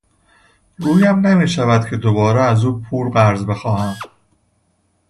رویم نمیشود که دوباره از او پول قرض بخواهم.